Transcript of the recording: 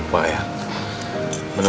bapak juga bisa berusaha